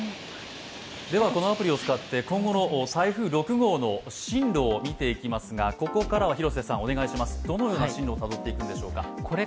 このアプリを使って今後の台風６号の進路を見ていきますが、ここからは広瀬さん、どのような進路をたどっていくのでしょうか？